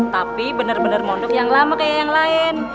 tapi bener bener mondok yang lama kaya yang lain